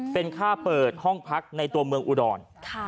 เป็นค่าเปิดห้องพักในตัวเมืองอุดร